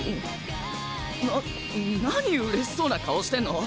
な何うれしそうな顔してんの？